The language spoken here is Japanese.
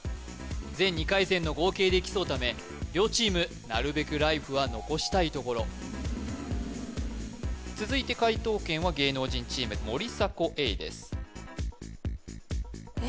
全２回戦の合計で競うため両チームなるべくライフは残したいところ続いて解答権は芸能人チーム森迫永依ですえ